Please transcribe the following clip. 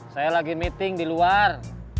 saya lagi meeting di luar